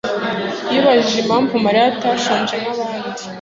yibajije impamvu Mariya atashonje nkabandi.